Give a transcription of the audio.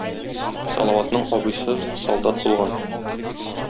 Салаватның абыйсы солдат булган.